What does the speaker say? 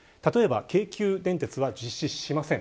京急電鉄は実施しません。